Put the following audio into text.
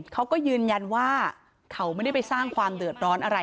เขาก็ยืนยันว่าเขาไม่ได้ไปสร้างความเดือดร้อนอะไร